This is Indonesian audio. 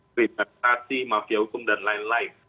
kriminalisasi mafia hukum dan lain lain